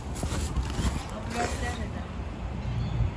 Ambulans nerede?